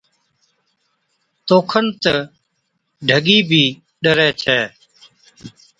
توکن تہ ڍڳِي بِي ڏَرَي ڇَي۔